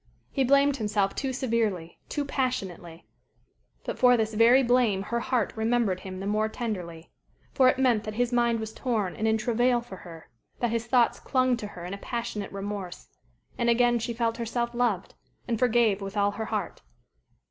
He blamed himself too severely, too passionately; but for this very blame her heart remembered him the more tenderly. For it meant that his mind was torn and in travail for her, that his thoughts clung to her in a passionate remorse; and again she felt herself loved, and forgave with all her heart.